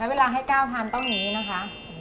แล้วเวลาให้เก้าทานต้อนี้นะค่ะ